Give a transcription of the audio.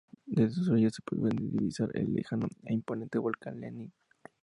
Desde sus orillas se puede divisar el lejano e imponente volcán Lanín.